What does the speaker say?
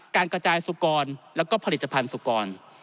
การกระจายสุกรแล้วก็ผลิตภัณฑ์สุกร